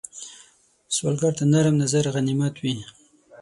سوالګر ته نرم نظر غنیمت وي